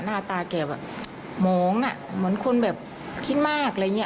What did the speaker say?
หน้าตาแกแบบมองเหมือนคนแบบคิดมากอะไรอย่างนี้